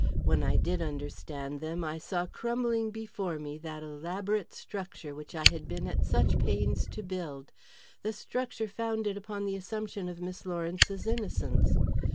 When I did understand them, I saw crumbling before me that elaborate structure which I had been at such pains to build the structure founded upon the assumption of Miss Lawrence's innocence.